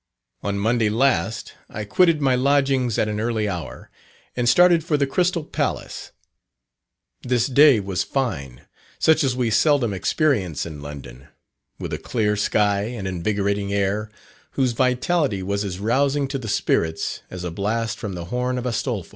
On Monday last, I quitted my lodgings at an early hour, and started for the Crystal Palace. This day was fine, such as we seldom experience in London, with a clear sky, and invigorating air, whose vitality was as rousing to the spirits as a blast from the "horn of Astolpho."